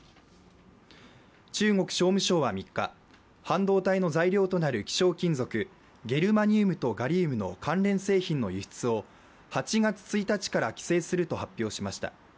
中国商務省は３日、半導体の材料となる希少金属、ゲルマニウムとガリウムの関連製品の輸出を、８月１日から規制すると発表しました。